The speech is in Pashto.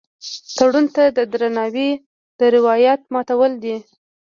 تړون ته د درناوي د روایت ماتول دي.